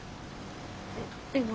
えっでも。